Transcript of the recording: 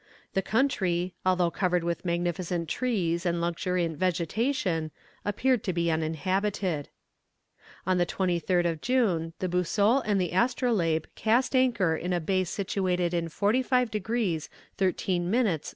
The country, although covered with magnificent trees and luxuriant vegetation, appeared to be uninhabited. On the 23rd of June the Boussole and the Astrolabe cast anchor in a bay situated in 45 degrees 13 minutes N.